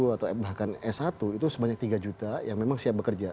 atau bahkan s satu itu sebanyak tiga juta yang memang siap bekerja